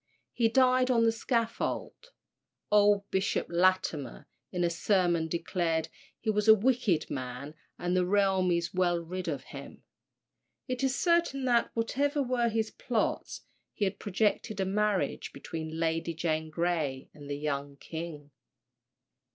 He died on the scaffold. Old Bishop Latimer, in a sermon, declared "he was a wicked man, and the realm is well rid of him." It is certain that, whatever were his plots, he had projected a marriage between Lady Jane Grey and the young king.